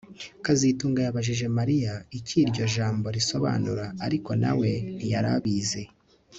kazitunga yabajije Mariya icyo iryo jambo risobanura ariko na we ntiyari abizi